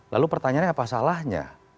lalu pertanyaannya apa salahnya